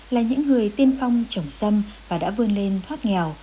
là những người tiên phong trồng xâm và đã vươn lên thoát nghèo